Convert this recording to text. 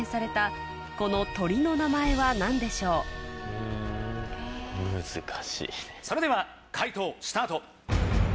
そんな中それでは解答スタート。